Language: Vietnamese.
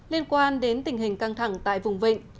liên quan đến tình hình căng thẳng tại vùng vịnh